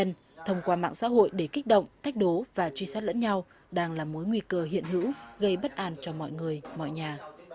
vì những mâu thuẫn cá nhân thông qua mạng xã hội để kích động thách đố và truy sát lẫn nhau đang là mối nguy cơ hiện hữu gây bất an cho mọi người mọi nhà